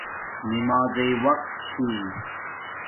نمازݵ وقت چھی